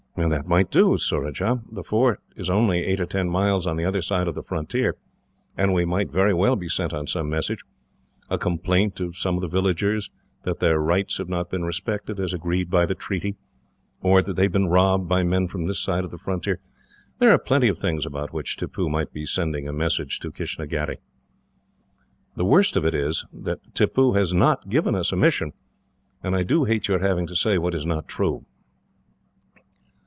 "That might do, Surajah. The fort is only eight or ten miles on the other side of the frontier, and we might very well be sent on some message. A complaint of some of the villagers, that their rights have not been respected as agreed by the treaty, or that they have been robbed by men from this side of the frontier there are plenty of things about which Tippoo might be sending a message to Kistnagherry. The worst of it is that Tippoo has not given us a mission, and I do hate your having to say what is not true."